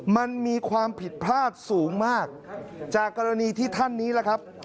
มันมีความผิดพลาดสูงมากจากกรณีที่ท่านนี้แหละครับ